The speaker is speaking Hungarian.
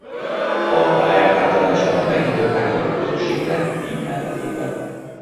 A pályát átadás után megnyitották a nagyközönségnek díj ellenében.